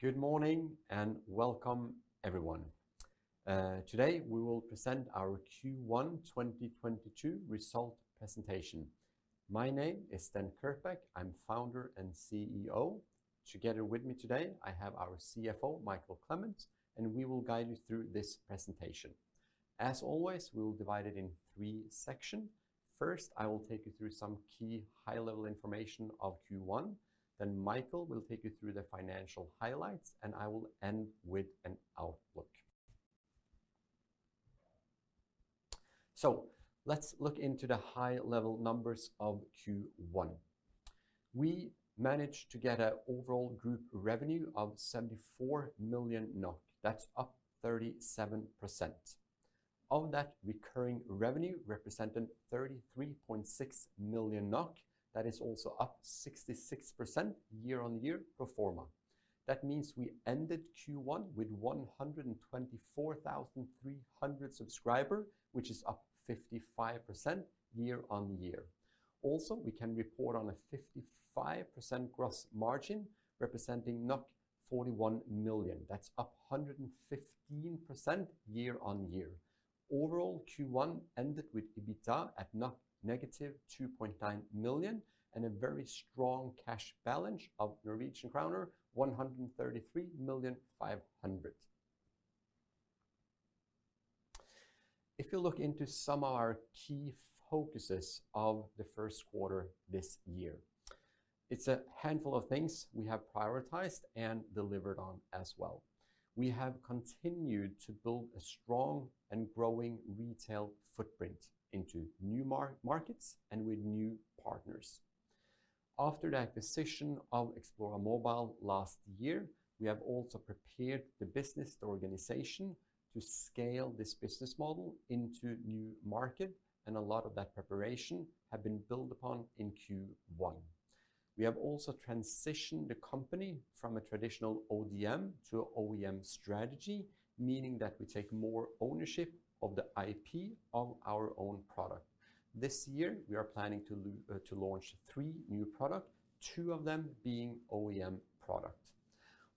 Good morning and welcome, everyone. Today, we will present our Q1 2022 Result Presentation. My name is Sten Kirkbak. I'm Founder and CEO. Together with me today, I have our CFO, Mikael Clement, and we will guide you through this presentation. As always, we will divide it in three sections. First, I will take you through some key high-level information of Q1, then Mikael will take you through the financial highlights, and I will end with an outlook. Let's look into the high-level numbers of Q1. We managed to get an overall group revenue of 74 million. That's up 37%. Of that, recurring revenue represented 33.6 million NOK. That is also up 66% year-on-year pro forma. That means we ended Q1 with 124,300 subscribers, which is up 55% year-on-year. Also, we can report on a 55% gross margin representing 41 million. That's up 115% year-on-year. Overall, Q1 ended with EBITDA at -2.9 million and a very strong cash balance of Norwegian kroner 133.5 million. If you look into some of our key focuses of the first quarter this year, it's a handful of things we have prioritized and delivered on as well. We have continued to build a strong and growing retail footprint into new markets and with new partners. After the acquisition of Xplora Mobile last year, we have also prepared the business, the organization to scale this business model into new markets, and a lot of that preparation have been built upon in Q1. We have also transitioned the company from a traditional ODM to OEM strategy, meaning that we take more ownership of the IP of our own product. This year we are planning to launch three new product, two of them being OEM product.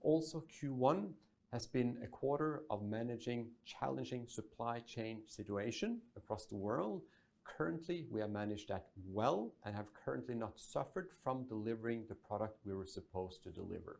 Also, Q1 has been a quarter of managing challenging supply chain situation across the world. Currently, we have managed that well and have currently not suffered from delivering the product we were supposed to deliver.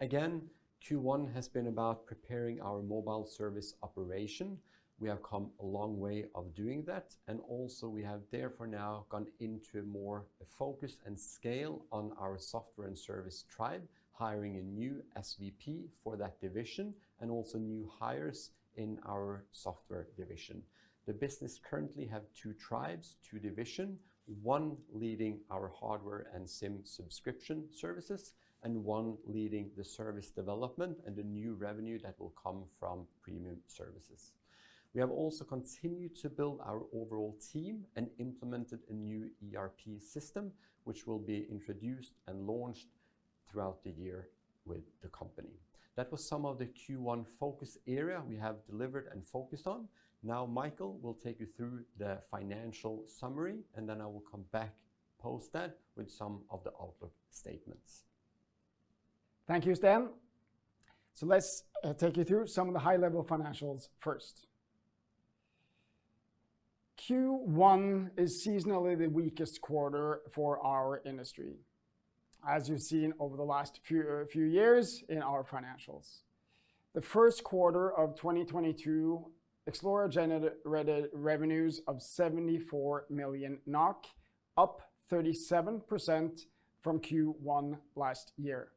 Again, Q1 has been about preparing our mobile service operation. We have come a long way of doing that, and also we have therefore now gone into a more focus and scale on our software and service tribe, hiring a new SVP for that division and also new hires in our software division. The business currently have two tribes, two division, one leading our hardware and SIM subscription services, and one leading the service development and the new revenue that will come from premium services. We have also continued to build our overall team and implemented a new ERP system, which will be introduced and launched throughout the year with the company. That was some of the Q1 focus area we have delivered and focused on. Now Mikael will take you through the financial summary, and then I will come back post that with some of the outlook statements. Thank you, Sten. Let's take you through some of the high-level financials first. Q1 is seasonally the weakest quarter for our industry, as you've seen over the last few years in our financials. The first quarter of 2022, Xplora generated revenues of 74 million NOK, up 37% from Q1 last year.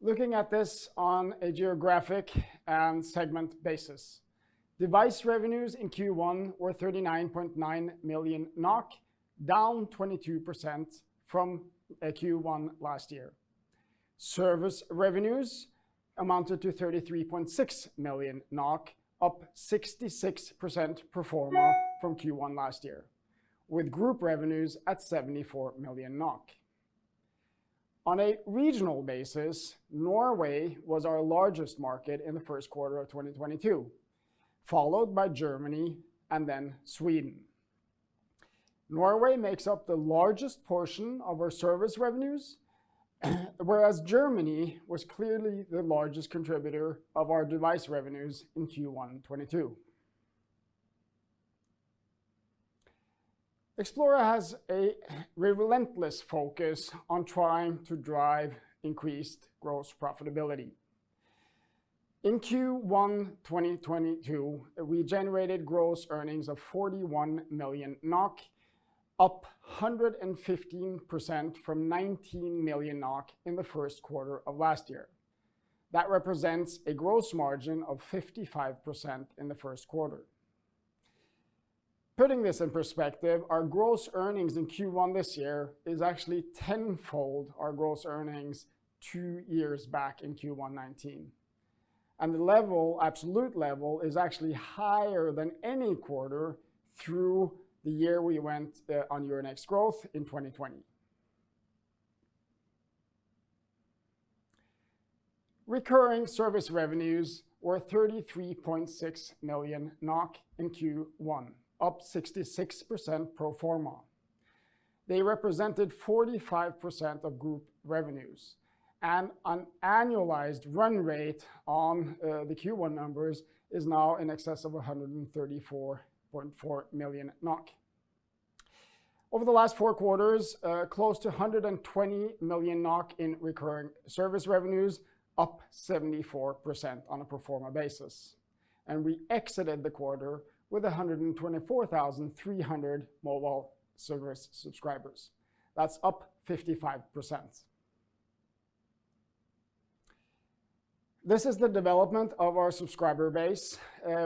Looking at this on a geographic and segment basis, device revenues in Q1 were 39.9 million NOK, down 22% from Q1 last year. Service revenues amounted to 33.6 million NOK, up 66% pro forma from Q1 last year, with group revenues at 74 million NOK. On a regional basis, Norway was our largest market in the first quarter of 2022, followed by Germany and then Sweden. Norway makes up the largest portion of our service revenues, whereas Germany was clearly the largest contributor of our device revenues in Q1 2022. Xplora has a relentless focus on trying to drive increased gross profitability. In Q1 2022, we generated gross earnings of 41 million NOK, up 115% from 19 million NOK in the first quarter of last year. That represents a gross margin of 55% in the first quarter. Putting this in perspective, our gross earnings in Q1 this year is actually 10-fold our gross earnings two years back in Q1 2019, and the level, absolute level is actually higher than any quarter through the year we went on Euronext Growth in 2020. Recurring service revenues were 33.6 million NOK in Q1, up 66% pro forma. They represented 45% of group revenues and an annualized run rate on the Q1 numbers is now in excess of 134.4 million NOK. Over the last four quarters, close to 120 million NOK in recurring service revenues, up 74% on a pro forma basis. We exited the quarter with 124,300 mobile service subscribers. That's up 55%. This is the development of our subscriber base.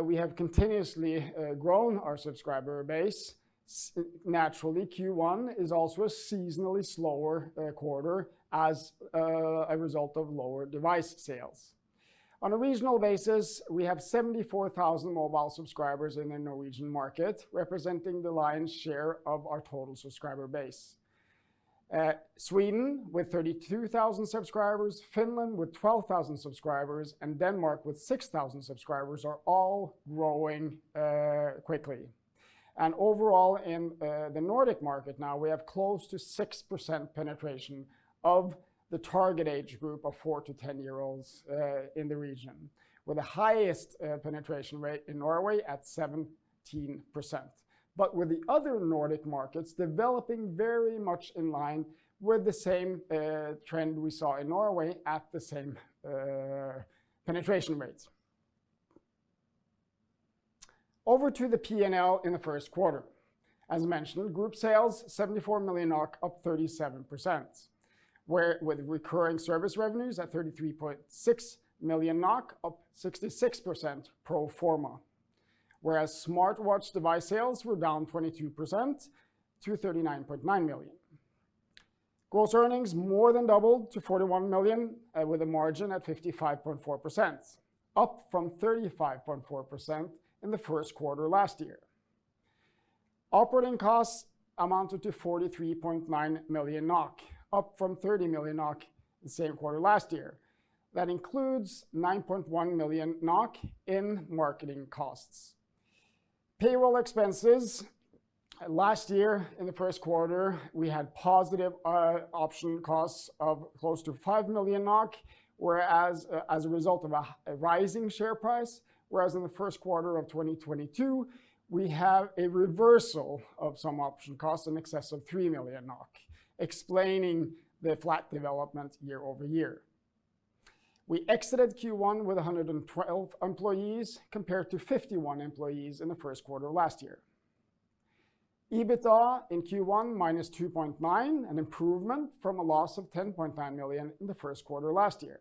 We have continuously grown our subscriber base. Naturally, Q1 is also a seasonally slower quarter as a result of lower device sales. On a regional basis, we have 74,000 mobile subscribers in the Norwegian market, representing the lion's share of our total subscriber base. Sweden with 32,000 subscribers, Finland with 12,000 subscribers, and Denmark with 6,000 subscribers are all growing quickly. Overall in the Nordic market now, we have close to 6% penetration of the target age group of four- to 10-year-olds in the region, with the highest penetration rate in Norway at 17%. The other Nordic markets developing very much in line with the same trend we saw in Norway at the same penetration rates. Over to the P&L in the first quarter. As mentioned, group sales 74 million NOK, up 37%. With recurring service revenues at 33.6 million NOK, up 66% pro forma. Whereas smartwatch device sales were down 22% to 39.9 million. Gross earnings more than doubled to 41 million with a margin at 55.4%, up from 35.4% in the first quarter last year. Operating costs amounted to 43.9 million NOK, up from 30 million NOK the same quarter last year. That includes 9.1 million NOK in marketing costs. Payroll expenses. Last year in the first quarter, we had positive option costs of close to 5 million NOK, whereas, as a result of a rising share price, in the first quarter of 2022, we have a reversal of some option costs in excess of 3 million NOK, explaining the flat development year-over-year. We exited Q1 with 112 employees compared to 51 employees in the first quarter last year. EBITDA in Q1 -2.9 million, an improvement from a loss of 10.9 million in the first quarter last year.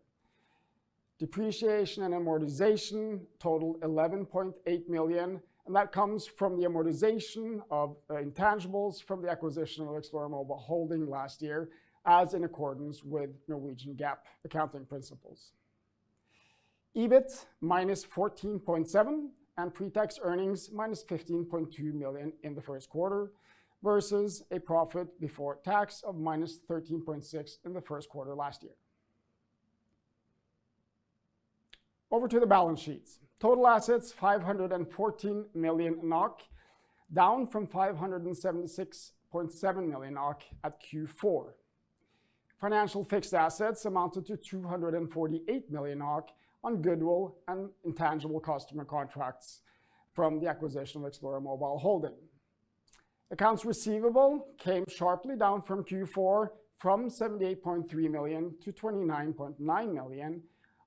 Depreciation and amortization totaled 11.8 million, and that comes from the amortization of intangibles from the acquisition of Xplora Mobile Holding last year, as in accordance with Norwegian GAAP accounting principles. EBIT -14.7 million and pre-tax earnings -15.2 million in the first quarter, versus a profit before tax of -13.6 million in the first quarter last year. Over to the balance sheets. Total assets, 514 million NOK, down from 576.7 million NOK at Q4. Financial fixed assets amounted to 248 million NOK on goodwill and intangible customer contracts from the acquisition of Xplora Mobile Holding. Accounts receivable came sharply down from Q4 from NOK 78.3 million to NOK 29.9 million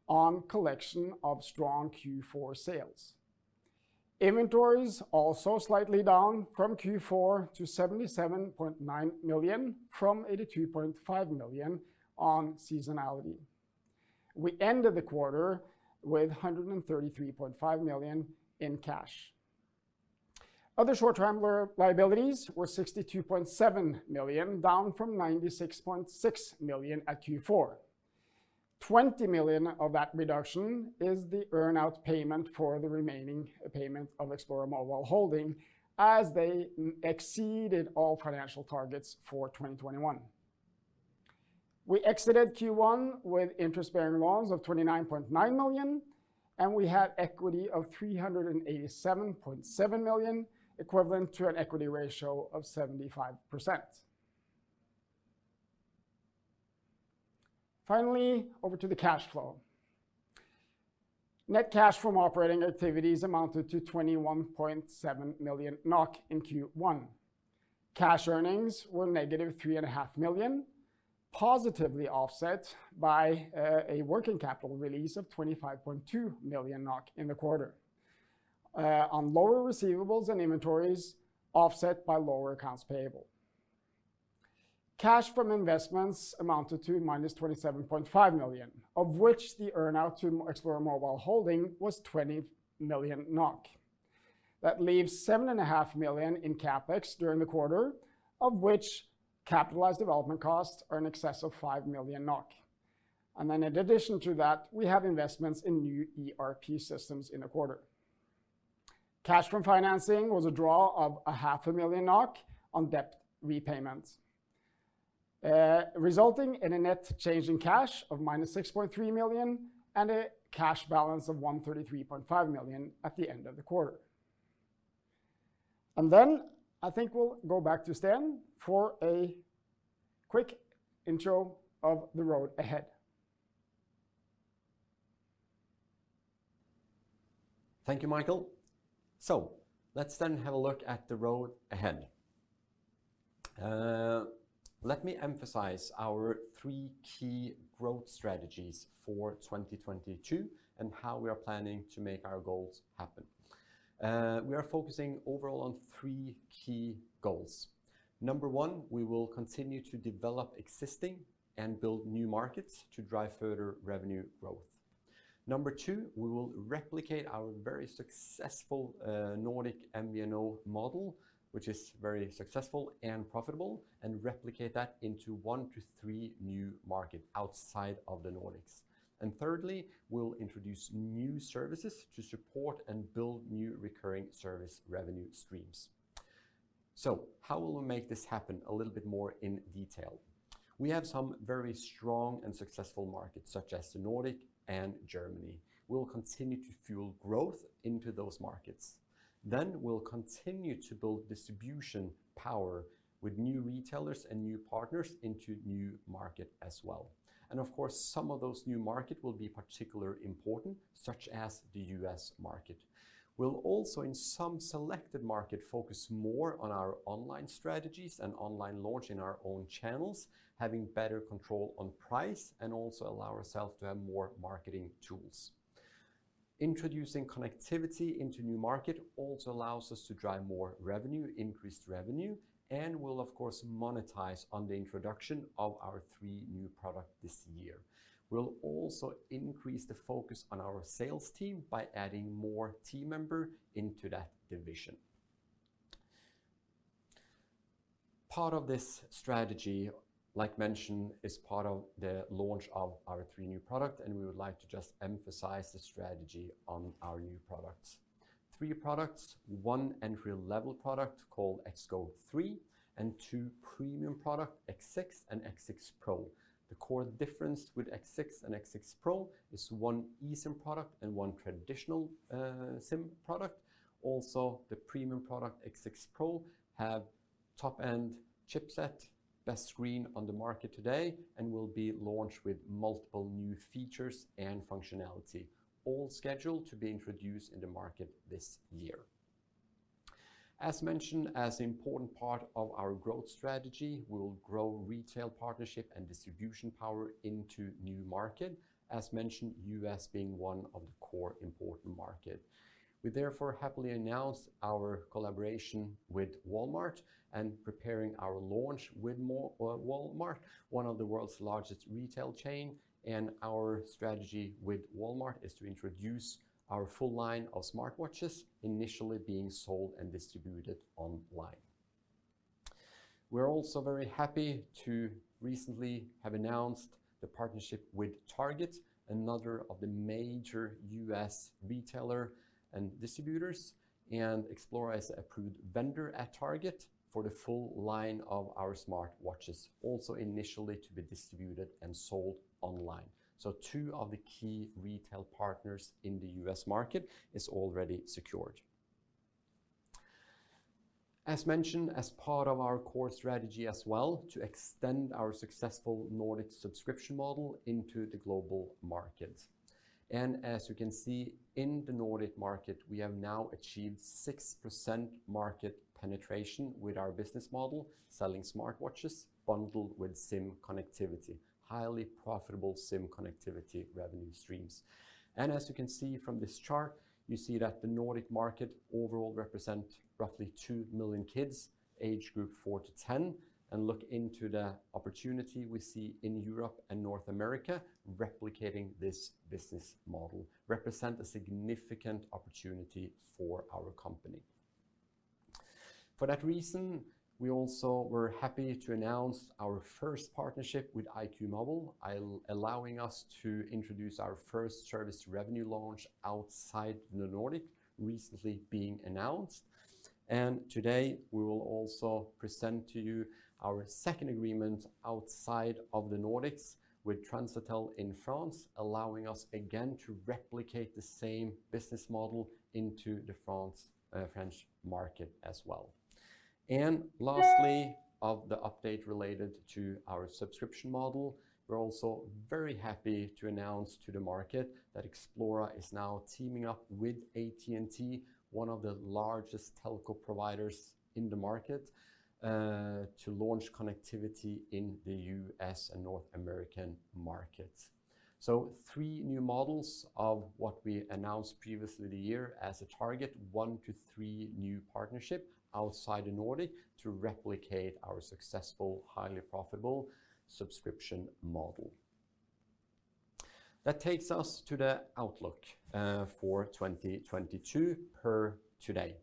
on collection of strong Q4 sales. Inventories also slightly down from Q4 to 77.9 million, from 82.5 million on seasonality. We ended the quarter with 133.5 million in cash. Other short-term liabilities were 62.7 million, down from 96.6 million at Q4. 20 million of that reduction is the earn-out payment for the remaining payment of Xplora Mobile Holding as they exceeded all financial targets for 2021. We exited Q1 with interest-bearing loans of 29.9 million, and we had equity of 387.7 million, equivalent to an equity ratio of 75%. Finally, over to the cash flow. Net cash from operating activities amounted to 21.7 million NOK in Q1. Cash earnings were -3.5 million, positively offset by a working capital release of 25.2 million NOK in the quarter, on lower receivables and inventories offset by lower accounts payable. Cash from investments amounted to -27.5 million, of which the earn out to Xplora Mobile Holding was 20 million NOK. That leaves 7.5 million in CapEx during the quarter, of which capitalized development costs are in excess of 5 million NOK. In addition to that, we have investments in new ERP systems in the quarter. Cash from financing was a draw of 500,000 NOK on debt repayments, resulting in a net change in cash of -6.3 million and a cash balance of 133.5 million at the end of the quarter. I think we'll go back to Sten for a quick intro of the road ahead. Thank you, Mikael. Let's then have a look at the road ahead. Let me emphasize our three key growth strategies for 2022 and how we are planning to make our goals happen. We are focusing overall on three key goals. Number one, we will continue to develop existing and build new markets to drive further revenue growth. Number two, we will replicate our very successful, Nordic MVNO model, which is very successful and profitable, and replicate that into one-three new market outside of the Nordics. Thirdly, we'll introduce new services to support and build new recurring service revenue streams. How will we make this happen a little bit more in detail? We have some very strong and successful markets, such as the Nordic and Germany. We will continue to fuel growth into those markets. We'll continue to build distribution power with new retailers and new partners into new market as well. Of course, some of those new markets will be particularly important, such as the U.S. market. We'll also, in some selected market, focus more on our online strategies and online launch in our own channels, having better control on price and also allow ourselves to have more marketing tools. Introducing connectivity into new market also allows us to drive more revenue, increased revenue, and will, of course, monetize on the introduction of our three new product this year. We'll also increase the focus on our sales team by adding more team member into that division. Part of this strategy, like mentioned, is part of the launch of our three new products, and we would like to just emphasize the strategy on our new products. Three products, one entry-level product called XGO3 and two premium product, X6 and X6 Pro. The core difference with X6 and X6 Pro is one eSIM product and one traditional, SIM product. Also, the premium product, X6 Pro, have top-end chipset, best screen on the market today, and will be launched with multiple new features and functionality, all scheduled to be introduced in the market this year. As mentioned, as an important part of our growth strategy, we will grow retail partnership and distribution power into new market, as mentioned, U.S. being one of the core important market. We therefore happily announce our collaboration with Walmart, one of the world's largest retail chain, and our strategy with Walmart is to introduce our full line of smartwatches initially being sold and distributed online. We are also very happy to recently have announced the partnership with Target, another of the major U.S. retailer and distributors, and Xplora is an approved vendor at Target for the full line of our smartwatches, also initially to be distributed and sold online. Two of the key retail partners in the U.S. market is already secured. As mentioned, as part of our core strategy as well, to extend our successful Nordic subscription model into the global market. As you can see in the Nordic market, we have now achieved 6% market penetration with our business model, selling smartwatches bundled with SIM connectivity, highly profitable SIM connectivity revenue streams. As you can see from this chart, you see that the Nordic market overall represent roughly 2 million kids, age group four to 10, and look into the opportunity we see in Europe and North America replicating this business model represent a significant opportunity for our company. For that reason, we also were happy to announce our first partnership with IQ Mobile, allowing us to introduce our first service revenue launch outside the Nordic recently being announced. Today, we will also present to you our second agreement outside of the Nordics with Transatel in France, allowing us again to replicate the same business model into the French market as well. Lastly, of the update related to our subscription model, we're also very happy to announce to the market that Xplora is now teaming up with AT&T, one of the largest telco providers in the market, to launch connectivity in the U.S. and North American market. This new model of what we announced previously this year as a target, one to three new partnerships outside the Nordic to replicate our successful, highly profitable subscription model. That takes us to the outlook for 2022 per today.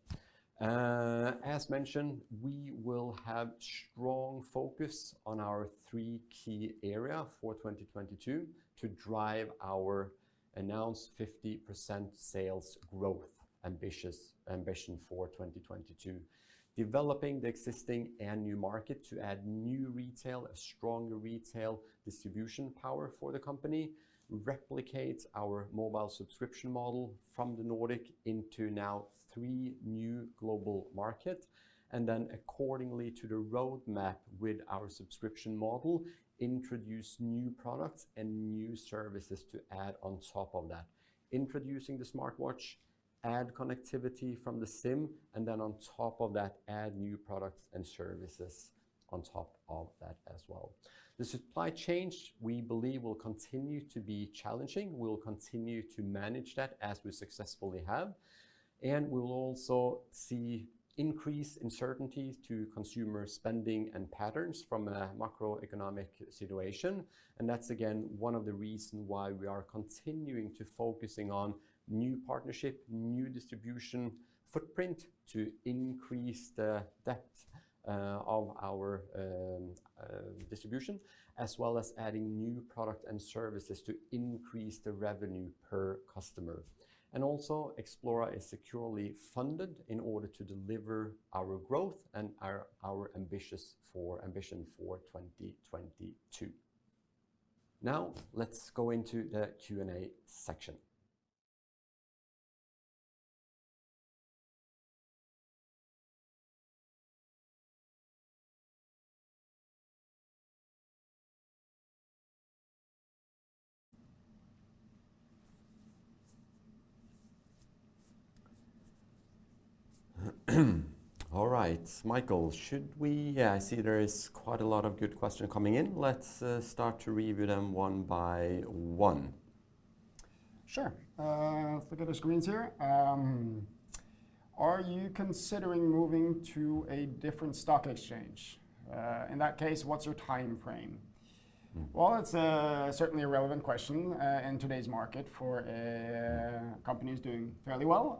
As mentioned, we will have strong focus on our three key areas for 2022 to drive our announced 50% sales growth ambitious ambition for 2022. Developing the existing and new markets to add new retail, a stronger retail distribution power for the company, replicate our mobile subscription model from the Nordic into now three new global markets. Accordingly to the roadmap with our subscription model, introduce new products and new services to add on top of that. Introducing the smartwatch, add connectivity from the SIM, and then on top of that, add new products and services on top of that as well. The supply chain, we believe, will continue to be challenging. We'll continue to manage that as we successfully have. We'll also see increased uncertainty to consumer spending and patterns from a macroeconomic situation. That's again, one of the reason why we are continuing to focusing on new partnership, new distribution footprint to increase the depth, of our, distribution, as well as adding new product and services to increase the revenue per customer. Also Xplora is securely funded in order to deliver our growth and our ambition for 2022. Now, let's go into the Q&A section. All right, Mikael. Yeah, I see there is quite a lot of good questions coming in. Let's start to review them one by one. Sure. Let's look at the screens here. Are you considering moving to a different stock exchange? In that case, what's your time frame? Mm. Well, it's certainly a relevant question in today's market for companies doing fairly well.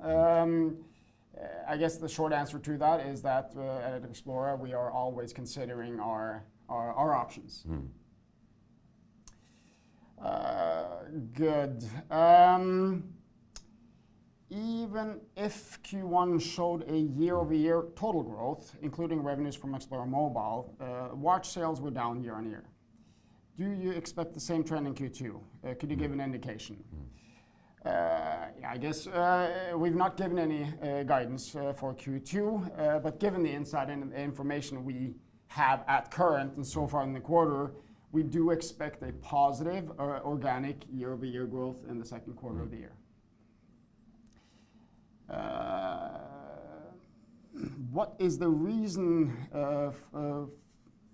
I guess the short answer to that is that at Xplora, we are always considering our options. Mm. Even if Q1 showed a year-over-year total growth, including revenues from Xplora Mobile, watch sales were down year-over-year. Do you expect the same trend in Q2? Could you give an indication? Mm. I guess, we've not given any guidance for Q2. Given the insight and information we have at current and so far in the quarter, we do expect a positive organic year-over-year growth in the second quarter of the year. Mm. What is the reason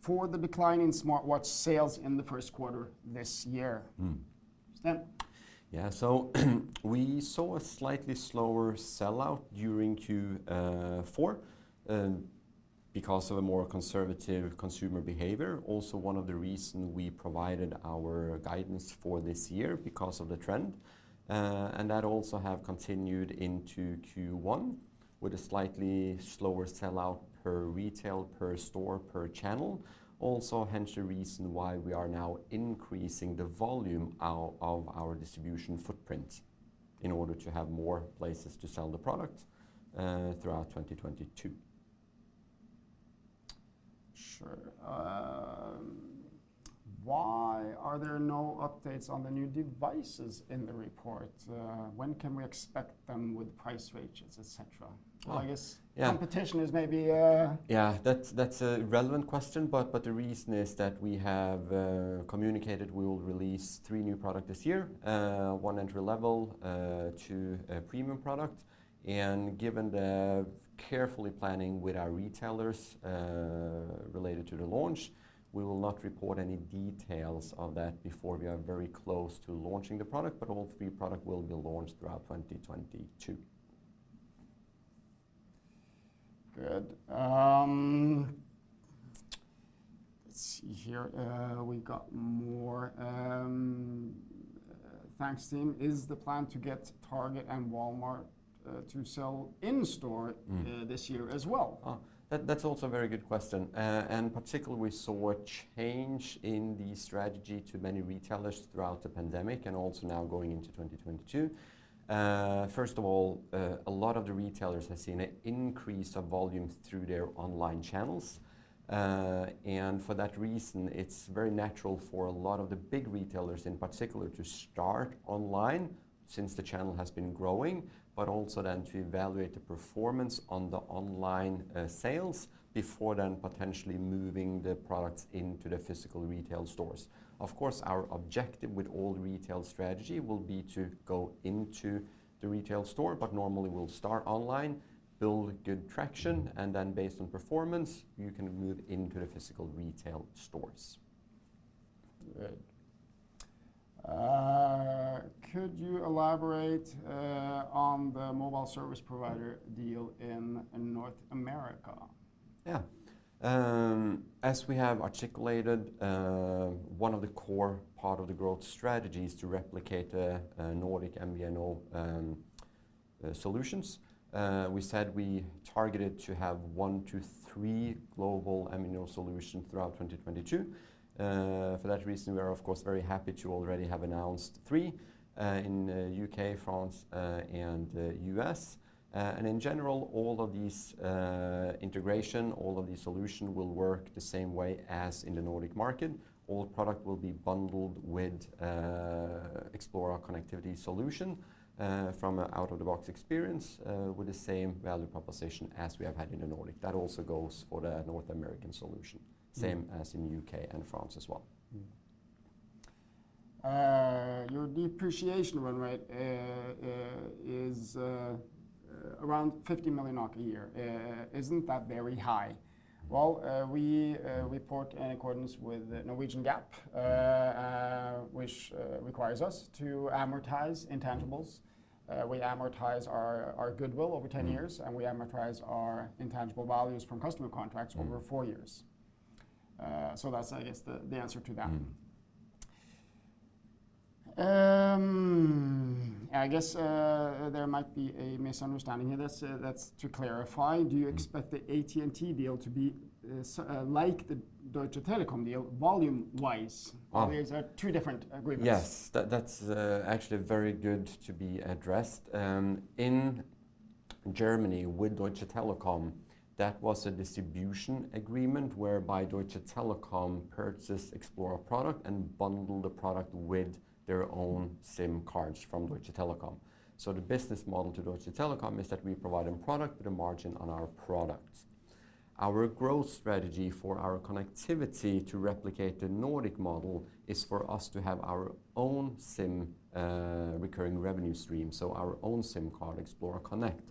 for the decline in smartwatch sales in the first quarter this year? Mm. Sten. Yeah. We saw a slightly slower sell-out during Q4 because of a more conservative consumer behavior. Also one of the reason we provided our guidance for this year because of the trend. That also have continued into Q1 with a slightly slower sell-out per retail, per store, per channel. Also hence the reason why we are now increasing the volume out of our distribution footprint in order to have more places to sell the product throughout 2022. Sure. Why are there no updates on the new devices in the report? When can we expect them with price ranges, et cetera? Well. I guess. Yeah. Competition is maybe. Yeah, that's a relevant question, but the reason is that we have communicated we will release three new product this year. One entry level, two premium product. Given the carefully planning with our retailers related to the launch, we will not report any details of that before we are very close to launching the product, but all three product will be launched throughout 2022. Good. Let's see here. We got more. Thanks, team. Is the plan to get Target and Walmart to sell in-store this year as well? That's also a very good question. Particularly, we saw a change in the strategy to many retailers throughout the pandemic and also now going into 2022. First of all, a lot of the retailers have seen an increase of volume through their online channels. For that reason, it's very natural for a lot of the big retailers in particular to start online since the channel has been growing, but also then to evaluate the performance on the online sales before then potentially moving the products into the physical retail stores. Of course, our objective with all retail strategy will be to go into the retail store, but normally we'll start online, build good traction, and then based on performance, you can move into the physical retail stores. Good. Could you elaborate on the mobile service provider deal in North America? Yeah. As we have articulated, one of the core part of the growth strategy is to replicate the Nordic MVNO solutions. We said we targeted to have one-three Global MVNO solution throughout 2022. For that reason, we are of course very happy to already have announced three in U.K., France, and U.S. In general, all of these integration, all of these solution will work the same way as in the Nordic market. All product will be bundled with Xplora connectivity solution from an out-of-the-box experience with the same value proposition as we have had in the Nordic. That also goes for the North American solution. Mm. Same as in U.K. and France as well. Your depreciation run rate is around 50 million a year. Isn't that very high? Well, we report in accordance with the Norwegian GAAP. Mm. Which requires us to amortize intangibles. We amortize our goodwill over 10 years. Mm. We amortize our intangible values from customer contracts. Mm. Over four years. That's, I guess, the answer to that. Mm. I guess, there might be a misunderstanding here. That's to clarify. Mm. Do you expect the AT&T deal to be like the Deutsche Telekom deal volume-wise? Oh. These are two different agreements. Yes. That's actually very good to be addressed. In Germany with Deutsche Telekom, that was a distribution agreement whereby Deutsche Telekom purchases Xplora product and bundle the product with their own SIM cards from Deutsche Telekom. The business model to Deutsche Telekom is that we provide them product with a margin on our product. Our growth strategy for our connectivity to replicate the Nordic model is for us to have our own SIM, recurring revenue stream, so our own SIM card, Xplora Connect.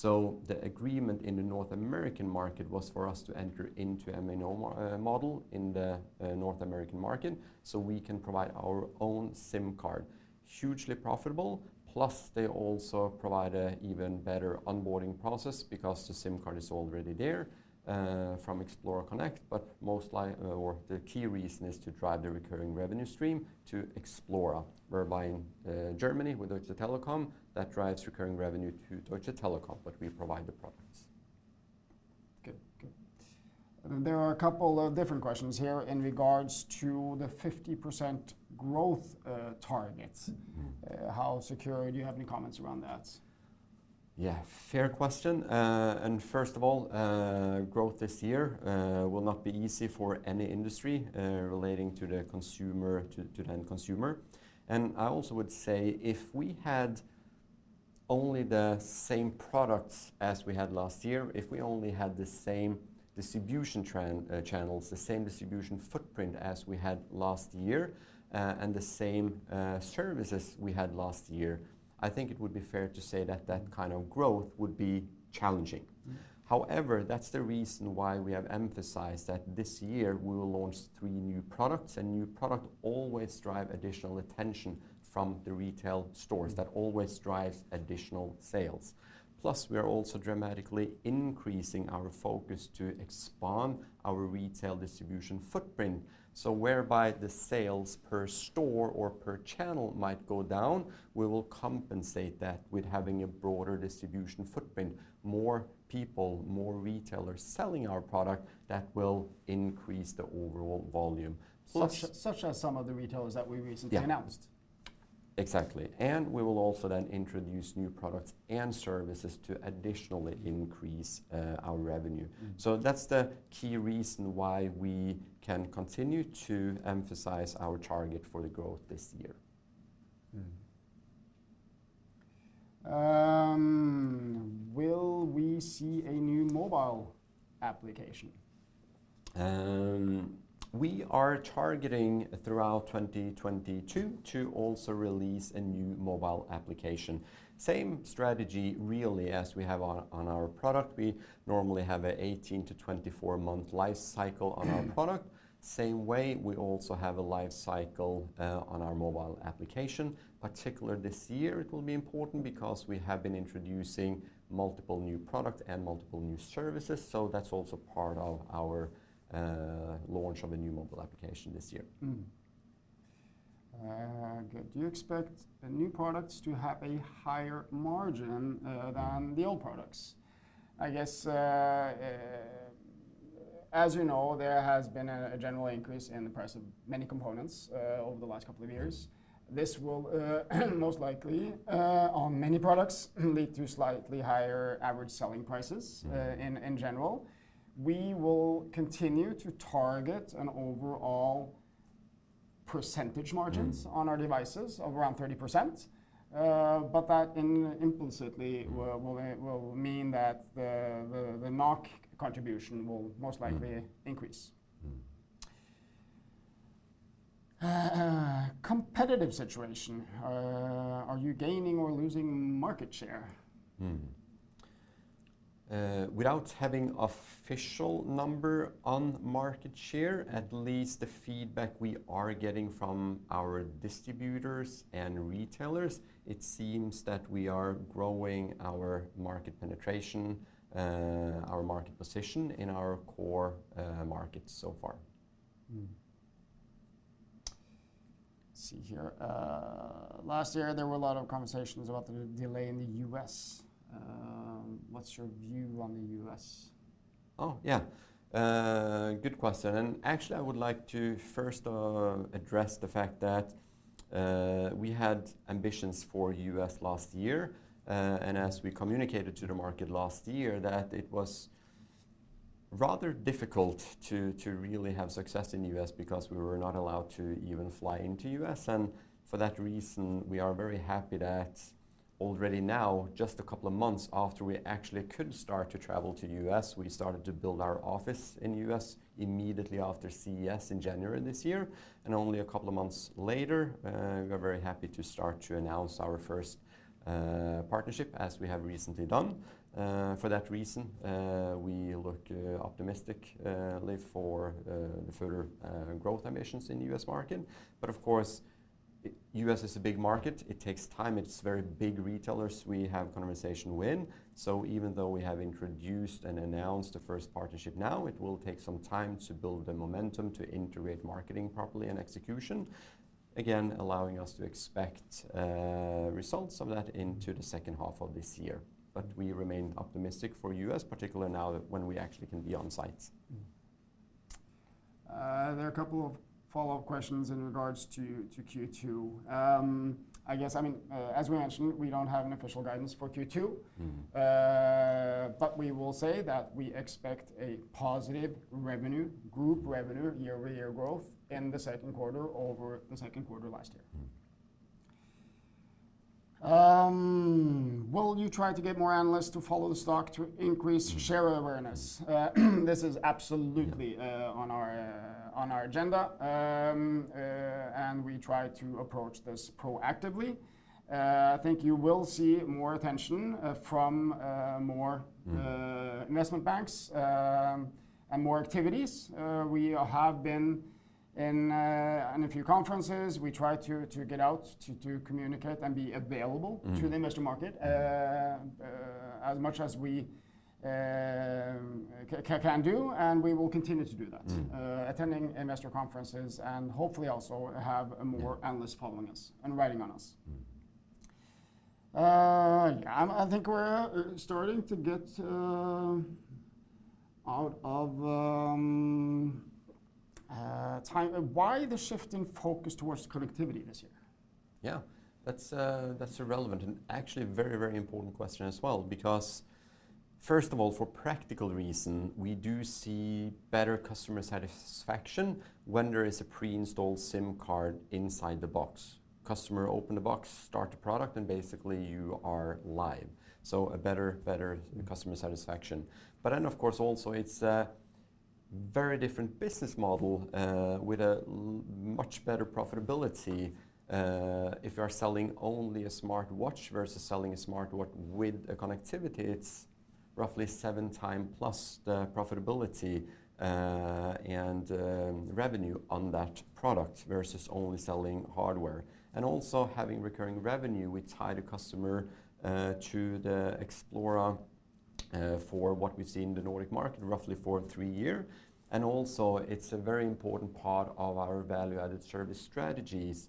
The agreement in the North American market was for us to enter into MVNO model in the North American market, so we can provide our own SIM card. Hugely profitable, plus they also provide a even better onboarding process because the SIM card is already there from Xplora Connect. Most like. The key reason is to drive the recurring revenue stream to Xplora, whereby in Germany with Deutsche Telekom, that drives recurring revenue to Deutsche Telekom, but we provide the products. Good. Good. There are a couple of different questions here in regards to the 50% growth targets. Mm. How secure? Do you have any comments around that? Yeah, fair question. Growth this year will not be easy for any industry relating to the consumer, to the end consumer. I also would say if we had only the same products as we had last year, if we only had the same distribution channels, the same distribution footprint as we had last year, and the same services we had last year, I think it would be fair to say that that kind of growth would be challenging. Mm. However, that's the reason why we have emphasized that this year we will launch three new products, and new product always drive additional attention from the retail stores. Mm. That always drives additional sales. Plus, we are also dramatically increasing our focus to expand our retail distribution footprint. Whereby the sales per store or per channel might go down, we will compensate that with having a broader distribution footprint, more people, more retailers selling our product, that will increase the overall volume. Such are some of the retailers that we recently announced. Yeah. Exactly. We will also then introduce new products and services to additionally increase our revenue. Mm. That's the key reason why we can continue to emphasize our target for the growth this year. Will we see a new mobile application? We are targeting throughout 2022 to also release a new mobile application. Same strategy really as we have on our product. We normally have an 18- to 24-month life cycle on our product. Same way, we also have a life cycle on our mobile application. Particularly this year, it will be important because we have been introducing multiple new products and multiple new services, so that's also part of our launch of a new mobile application this year. Good. Do you expect the new products to have a higher margin than the old products? I guess, as you know, there has been a general increase in the price of many components over the last couple of years. Mm. This will most likely on many products lead to slightly higher average selling prices in general. We will continue to target an overall percentage margins. Mm. On our devices of around 30%, but that implicitly will mean that the NOK contribution will most likely increase. Mm. Mm. Competitive situation. Are you gaining or losing market share? Without having official number on market share, at least the feedback we are getting from our distributors and retailers, it seems that we are growing our market penetration, our market position in our core markets so far. Let's see here. Last year there were a lot of conversations about the delay in the U.S. What's your view on the U.S.? Oh, yeah. Good question. Actually, I would like to first of all address the fact that we had ambitions for U.S. last year. As we communicated to the market last year, that it was rather difficult to really have success in the U.S. because we were not allowed to even fly into U.S. For that reason, we are very happy that already now, just a couple of months after we actually could start to travel to U.S., we started to build our office in the U.S. immediately after CES in January this year, and only a couple of months later, we're very happy to start to announce our first partnership as we have recently done. For that reason, we look optimistically for the further growth ambitions in the U.S. market. Of course, U.S. is a big market. It takes time. It's very big retailers we have conversation with. Even though we have introduced and announced the first partnership now, it will take some time to build the momentum to integrate marketing properly and execution, again, allowing us to expect results of that into the second half of this year. We remain optimistic for U.S., particularly now that when we actually can be on site. There are a couple of follow-up questions in regards to Q2. I guess, I mean, as we mentioned, we don't have an official guidance for Q2. Mm-hmm. We will say that we expect a positive revenue, group revenue, year-over-year growth in the second quarter over the second quarter last year. Mm-hmm. Will you try to get more analysts to follow the stock to increase share awareness? This is absolutely on our agenda. We try to approach this proactively. I think you will see more attention from more. Mm. Investment banks, and more activities. We have been in a few conferences. We try to get out to communicate and be available. Mm. To the investor market, as much as we can do, and we will continue to do that. Mm. Attending investor conferences and hopefully also have more analysts following us and writing on us. Mm. Yeah. I think we're starting to get out of time. Why the shifting focus towards connectivity this year? Yeah. That's relevant and actually a very, very important question as well because first of all, for practical reasons, we do see better customer satisfaction when there is a pre-installed SIM card inside the box. Customer open the box, start the product, and basically you are live. A better customer satisfaction. Of course, also it's a very different business model with a much better profitability. If you're selling only a smartwatch versus selling a smartwatch with a connectivity, it's roughly seven times plus the profitability and revenue on that product versus only selling hardware. Also having recurring revenue, we tie the customer to the Xplora for what we see in the Nordic market, roughly for three years. It's a very important part of our value-added service strategies,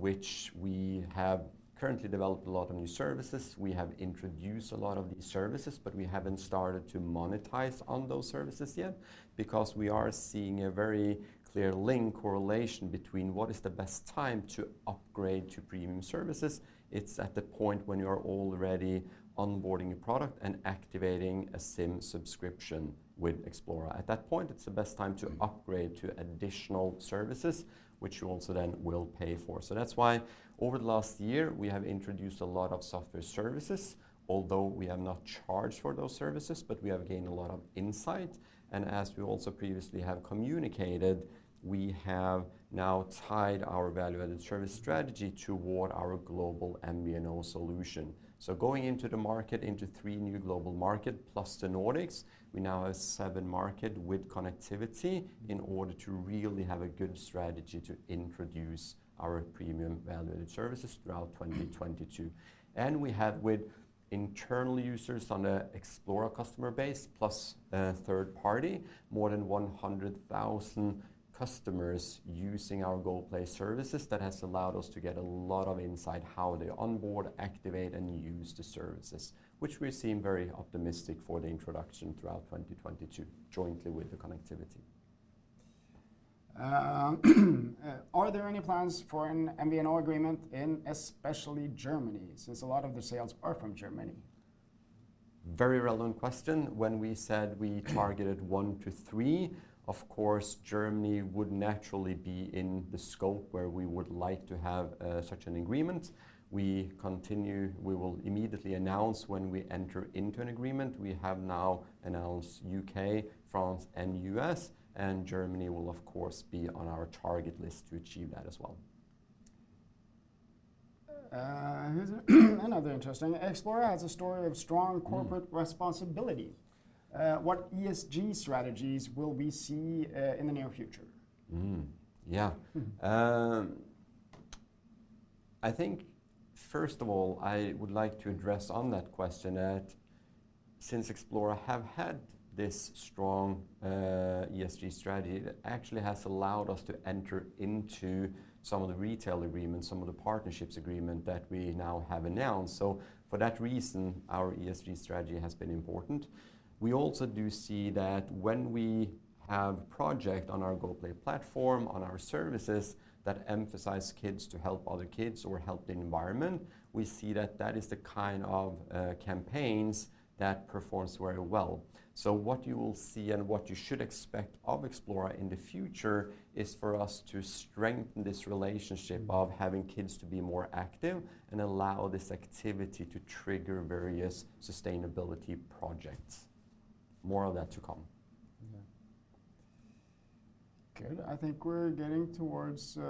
which we have currently developed a lot of new services. We have introduced a lot of these services, but we haven't started to monetize on those services yet because we are seeing a very clear link correlation between what is the best time to upgrade to premium services. It's at the point when you're already onboarding a product and activating a SIM subscription with Xplora. At that point, it's the best time to upgrade to additional services, which you also then will pay for. That's why over the last year, we have introduced a lot of software services, although we have not charged for those services, but we have gained a lot of insight. As we also previously have communicated, we have now tied our value-added service strategy toward our Global MVNO solution. Going into the markets, into three new global markets plus the Nordics, we now have seven markets with connectivity in order to really have a good strategy to introduce our premium value-added services throughout 2022. We have with internal users on the Xplora customer base plus a third party, more than 100,000 customers using our GoPlay services that has allowed us to get a lot of insight into how they onboard, activate, and use the services, which we seem very optimistic for the introduction throughout 2022, jointly with the connectivity. Are there any plans for an MVNO agreement in especially Germany, since a lot of the sales are from Germany? Very relevant question. When we said we targeted one-three, of course, Germany would naturally be in the scope where we would like to have such an agreement. We will immediately announce when we enter into an agreement. We have now announced U.K., France, and U.S., and Germany will of course be on our target list to achieve that as well. Xplora has a story of strong corporate responsibility. What ESG strategies will we see in the near future? I think first of all, I would like to address on that question that since Xplora have had this strong, ESG strategy that actually has allowed us to enter into some of the retail agreements, some of the partnerships agreement that we now have announced. For that reason, our ESG strategy has been important. We also do see that when we have project on our GoPlay platform, on our services that emphasize kids to help other kids or help the environment, we see that that is the kind of campaigns that performs very well. What you will see and what you should expect of Xplora in the future is for us to strengthen this relationship of having kids to be more active and allow this activity to trigger various sustainability projects. More of that to come. Yeah. Good. I think we're getting towards the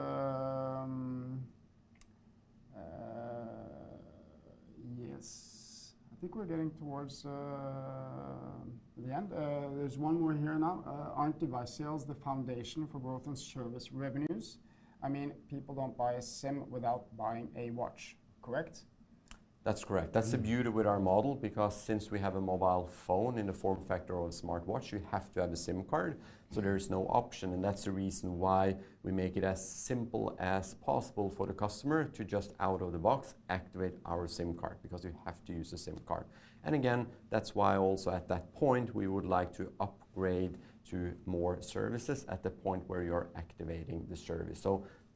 end. There's one more in here now. Aren't device sales the foundation for growth and service revenues? I mean, people don't buy a SIM without buying a watch, correct? That's correct. Yeah. That's the beauty with our model, because since we have a mobile phone in the form factor of a smartwatch, you have to have the SIM card. Mm-hmm. There is no option, and that's the reason why we make it as simple as possible for the customer to just out of the box activate our SIM card, because you have to use a SIM card. Again, that's why also at that point, we would like to upgrade to more services at the point where you're activating the service.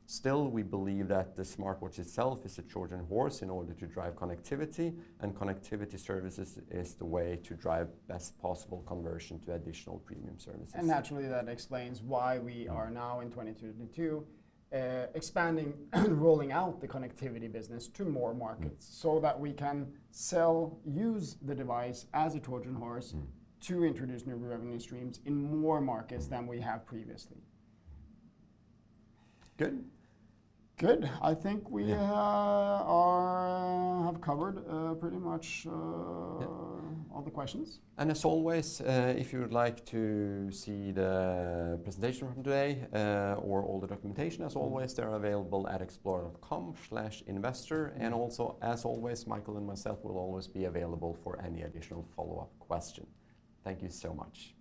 Still, we believe that the smartwatch itself is a Trojan horse in order to drive connectivity, and connectivity services is the way to drive best possible conversion to additional premium services. Naturally, that explains why we. Yeah. Are now in 2022, expanding, rolling out the connectivity business to more markets. Mm. So that we can sell, use the device as a Trojan Horse. Mm. To introduce new revenue streams in more markets than we have previously. Good. Good. I think Yeah. Have covered pretty much. Yeah. All the questions. As always, if you would like to see the presentation from today, or all the documentation, as always. Mm. They're available at xplora.com/investor. As always, Mikael and myself will always be available for any additional follow-up question. Thank you so much.